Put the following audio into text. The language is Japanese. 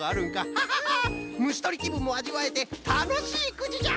ハハハッむしとりきぶんもあじわえてたのしいくじじゃ！